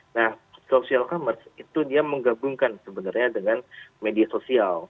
nah social commerce itu dia menggabungkan sebenarnya dengan media sosial